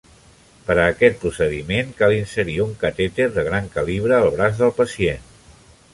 Per a aquest procediment, cal inserir un catèter de gran calibre al braç del pacient.